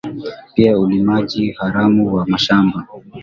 pia ulimaji haramu wa mashamba